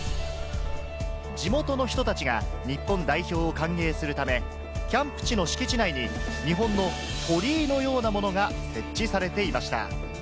地元の人たちが日本代表を歓迎するためキャンプ地の敷地内に日本の鳥居のようなものが設置されていました。